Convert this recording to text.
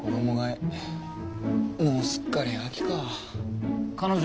もうすっかり秋か。